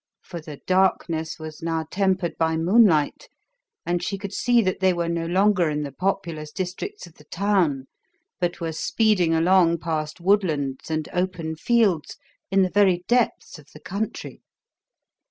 For the darkness was now tempered by moonlight, and she could see that they were no longer in the populous districts of the town, but were speeding along past woodlands and open fields in the very depths of the country.